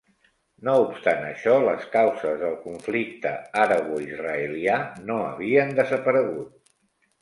No obstant això, les causes del conflicte araboisraelià no havien desaparegut.